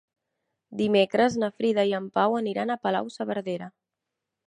Dimecres na Frida i en Pau aniran a Palau-saverdera.